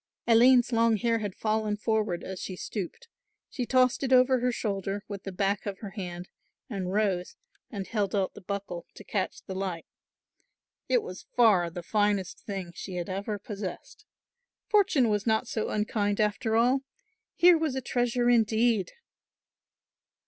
Aline's long hair had fallen forward as she stooped; she tossed it over her shoulder with the back of her hand and rose and held out the buckle to catch the light. It was far the finest thing she had ever possessed. Fortune was not so unkind after all. Here was a treasure indeed!